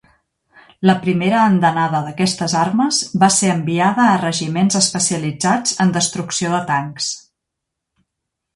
La primera andanada d’aquestes armes, va ser enviada a regiments especialitzats en destrucció de tancs.